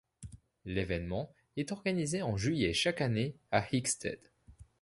L'événement est organisé en juillet chaque année à Hickstead.